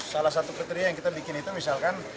salah satu kriteria yang kita bikin itu misalkan